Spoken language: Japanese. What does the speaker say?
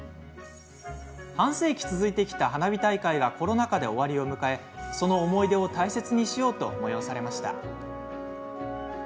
半世紀続いてきた花火大会がコロナ禍で終わりを迎えその思い出を大切にしようと催されました。